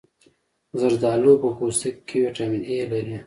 زردالو په پوستکي کې ویټامین A لري.